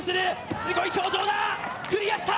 すごい表情だ、クリアした。